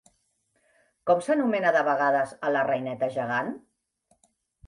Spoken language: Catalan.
Com s'anomena de vegades a la reineta gegant?